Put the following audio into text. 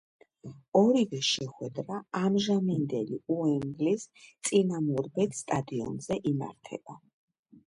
ორივე შეხვედრა ამჟამინდელი „უემბლის“ წინამორბედ სტადიონზე იმართება.